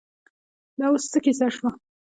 دا اوس څه کیسه شوه.